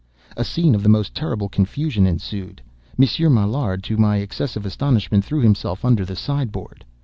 A scene of the most terrible confusion ensued. Monsieur Maillard, to my excessive astonishment threw himself under the side board.